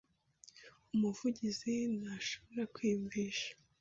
Umuvugizi ntashobora kwiyumvisha.